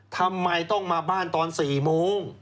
ทำไมต้องมาบ้านตอน๔โมง